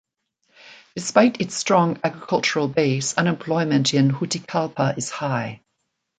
Despite its strong agricultural base, unemployment in Juticalpa is high.